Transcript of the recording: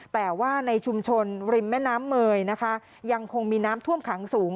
แต่ว่าในชุมชนริมแม่น้ำเมยนะคะยังคงมีน้ำท่วมขังสูง